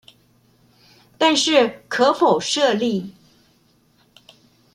但是可否設立